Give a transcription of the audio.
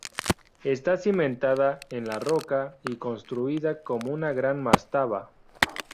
Está cimentada en la roca y construida como una gran mastaba.